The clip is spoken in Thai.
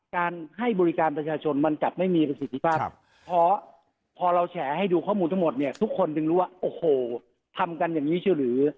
การให้บริการประชาชนมันจะไม่มีประสิทธิภาพพอเราแฉงให้ดูข้อมูลทั้งหมดมันทุกคนต้องดูว่าทำกันอย่างงี้เฉลี่ยสี่หรือ